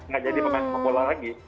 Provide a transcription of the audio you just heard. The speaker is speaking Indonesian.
nggak jadi pemain sepak bola lagi